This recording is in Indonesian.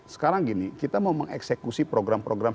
sekarang gini kita mau mengeksekusi program program